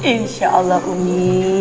insya allah umi